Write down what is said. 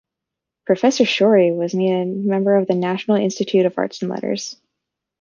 Professor Shorey was made a member of the National Institute of Arts and Letters.